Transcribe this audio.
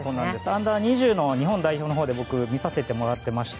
アンダー２０の日本代表で僕、見させてもらっていました。